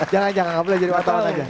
jangan jangan gak boleh jadi watawan aja